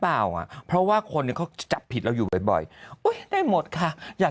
เปล่าอะเพราะว่าคนก็จับผิดเราอยู่บ่อยได้หมดค่ะอย่า